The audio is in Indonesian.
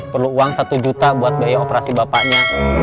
perlu uang satu juta buat biaya operasi bapaknya